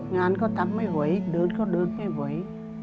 งานก็ทำไม่ไหวเดินก็เดินไม่ไหว